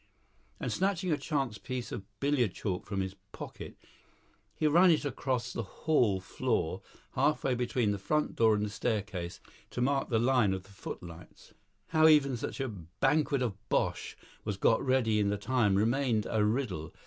And snatching a chance piece of billiard chalk from his pocket, he ran it across the hall floor, half way between the front door and the staircase, to mark the line of the footlights. How even such a banquet of bosh was got ready in the time remained a riddle.